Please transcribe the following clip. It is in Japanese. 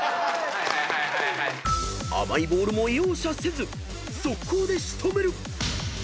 ［甘いボールも容赦せず速攻で仕留める！］